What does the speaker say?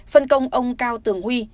phân công ông cao tường huy